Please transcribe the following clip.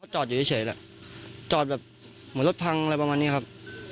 จอดอยู่เฉยแหละจอดแบบเหมือนรถพังอะไรประมาณนี้ครับ